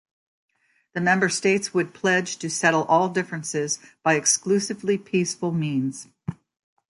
The member states would pledge to settle all differences by exclusively peaceful means.